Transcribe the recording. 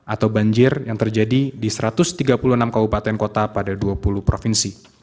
atau banjir yang terjadi di satu ratus tiga puluh enam kabupaten kota pada dua puluh provinsi